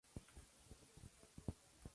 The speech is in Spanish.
Es más abundante en la costa sur del estado.